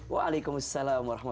waalaikumsalam wr wb